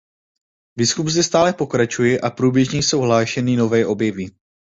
Výzkum zde stále pokračuje a průběžně jsou hlášeny nové objevy.